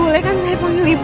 boleh kan saya panggil ibu